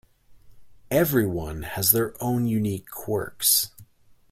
Everyone has their own unique quirks.